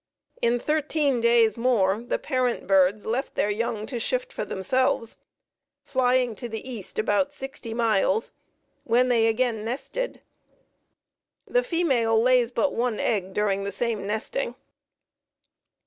In thirteen days more the parent birds left their young to shift for themselves, flying to the east about sixty miles, when they again nested. The female lays but one egg during the same nesting.